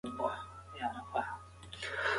د چای پیاله له مېز څخه پورته کړه.